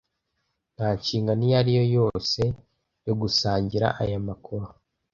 Nta nshingano iyo ari yo yose yo gusangira aya makuru.